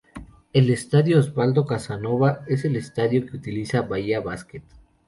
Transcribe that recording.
El Estadio Osvaldo Casanova es el estadio que utiliza Bahía Basket.